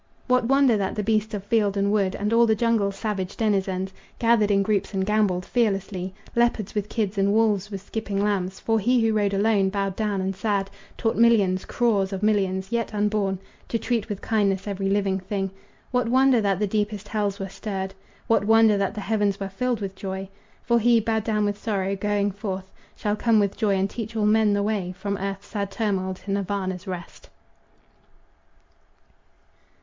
What wonder that the beasts of field and wood, And all the jungle's savage denizens, Gathered in groups and gamboled fearlessly, Leopards with kids and wolves with skipping lambs? For he who rode alone, bowed down and sad, Taught millions, crores of millions, yet unborn To treat with kindness every living thing. What wonder that the deepest hells were stirred? What wonder that the heavens were filled with joy? For he, bowed down with sorrow, going forth, Shall come with joy and teach all men the way From earth's sad turmoil to Nirvana's rest.